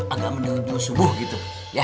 agak menuju subuh gitu